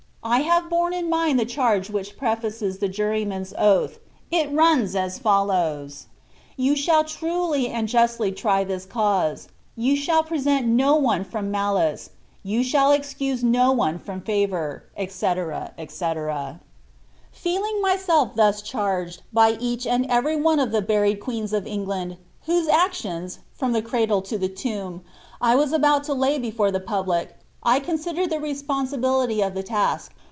I have borne in mind the charge which pre&ces the juryman's oath,~it runfi as folk)ws: — "You shall truly and justly try this cause; you shall present no one from malice ; you shall excuse no one from favour, |'.«1U FRBF&CB. I Feeling myself thus charged, by each anil every one of ue bwled queens of England, wliosi' actions, from the crudie to Iht tomb, 1 was about to liiy betbre the public, 1 considered the responsibility of the taak.